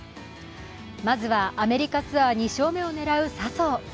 まずは、アメリカツアー２勝目を狙う笹生。